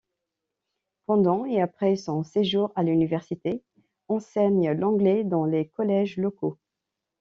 Pendant et après son séjour à l'université, enseigne l'anglais dans les collèges locaux.